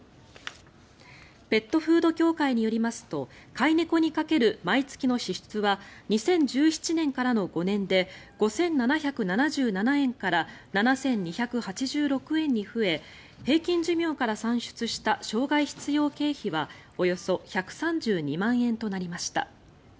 ペットフード協会によりますと飼い猫にかける毎月の支出は２０１７年からの５年で５７７７円から７２８６円に増え平均寿命から算出した生涯必要経費はおよそ１３２万円となりました。